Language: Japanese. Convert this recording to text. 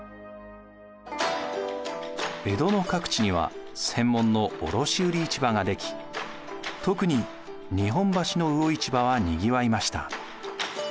江戸の各地には専門の卸売市場が出来特に日本橋の魚市場はにぎわいました。